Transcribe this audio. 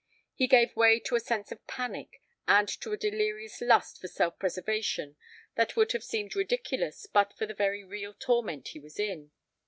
He gave way to a sense of panic and to a delirious lust for self preservation that would have seemed ridiculous but for the very real torment he was in.